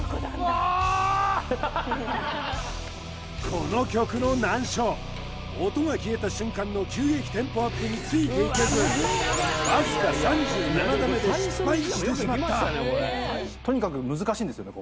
この曲の難所音が消えた瞬間の急激テンポアップについていけずわずか３７打目で失敗してしまったとにかく難しいんですよね